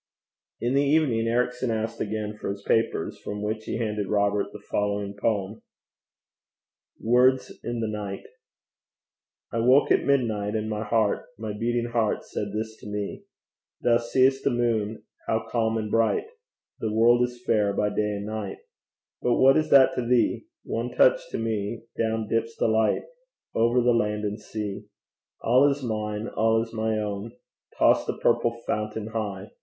In the evening Ericson asked again for his papers, from which he handed Robert the following poem: WORDS IN THE NIGHT. I woke at midnight, and my heart, My beating heart said this to me: Thou seest the moon how calm and bright The world is fair by day and night, But what is that to thee? One touch to me down dips the light Over the land and sea. All is mine, all is my own! Toss the purple fountain high!